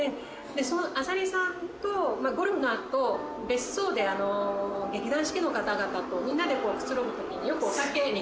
その浅利さんとゴルフの後別荘で劇団四季の方々とみんなでくつろぐ時によくお酒。